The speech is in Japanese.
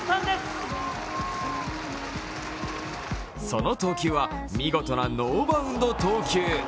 その投球は見事なノーバウンド投球。